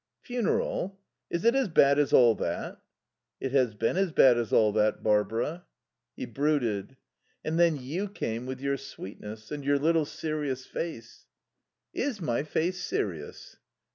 "Funeral? Is it as bad as all that?" "It has been as bad as all that Barbara." He brooded. "And then you came, with your sweetness. And your little serious face " "Is my face serious?"